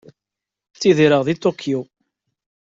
Ttidireɣ deg Tokyo.